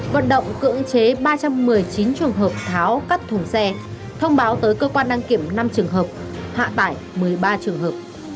vận động cưỡng chế ba trăm một mươi chín trường hợp tháo cắt thùng xe thông báo tới cơ quan đăng kiểm năm trường hợp hạ tải một mươi ba trường hợp